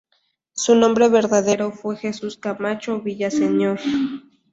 Su nombre verdadero fue Jesús Camacho Villaseñor.